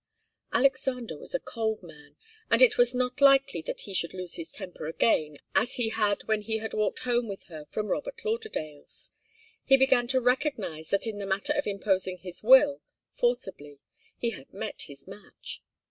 Alexander was a cold man, and it was not likely that he should lose his temper again as he had when he had walked home with her from Robert Lauderdale's. He began to recognize that in the matter of imposing his will forcibly, he had met his match.